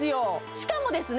しかもですね